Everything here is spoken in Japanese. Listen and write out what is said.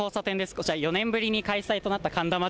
こちら、４年ぶりに開催となった神田祭。